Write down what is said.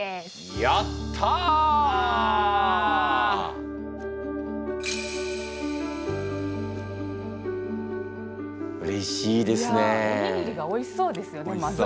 いやおにぎりがおいしそうですよね。